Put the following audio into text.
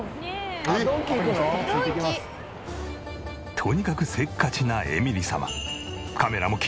とにかくせっかちなエミリ様。